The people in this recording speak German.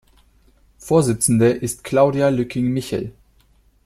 Vorsitzende ist Claudia Lücking-Michel.